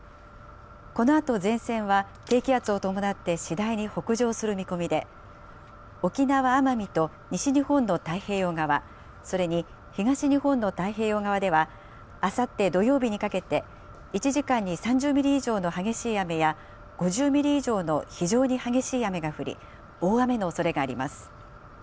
このあと前線は、低気圧を伴って次第に北上する見込みで、沖縄・奄美と西日本の太平洋側、それに東日本の太平洋側では、あさって土曜日にかけて、１時間に３０ミリ以上の激しい雨や、５０ミリ以上の非常に激しい雨が降り、大雨のおそれがあります。